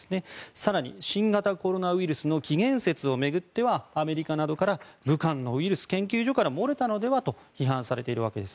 更に新型コロナウイルスの起源説を巡ってはアメリカなどから武漢のウイルス研究所から漏れたのではと批判されています。